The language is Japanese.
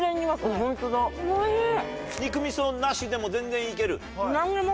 肉みそなしでも全然いける？